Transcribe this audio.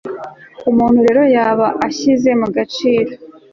umuntu rero yaba ashyize mu gaciro